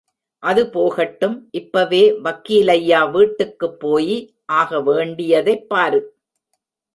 அது போகட்டும், இப்பவே வக்கீலையா வீட்டுக்குப் போயி ஆகவேண்டி யதைப் பாரு.